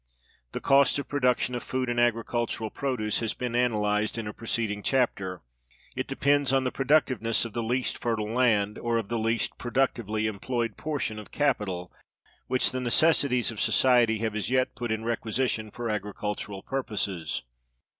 The cost of production of food and agricultural produce has been analyzed in a preceding chapter. It depends on the productiveness of the least fertile land, or of the least productively employed portion of capital, which the necessities of society have as yet put in requisition for agricultural purposes.